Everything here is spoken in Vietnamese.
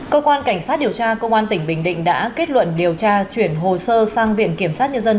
cơ quan cảnh sát điều tra công an tỉnh bình định đã kết luận điều tra chuyển hồ sơ sang viện kiểm sát nhân dân